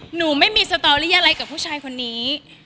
หนูไม่มีสตอรี่อะไรกับผู้ชายคนนี้